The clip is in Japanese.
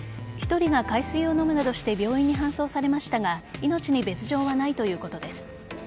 １人が海水を飲むなどして病院に搬送されましたが命に別条はないということです。